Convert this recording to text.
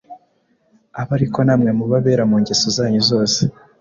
abe ari ko namwe muba abera mu ngeso zanyu zose.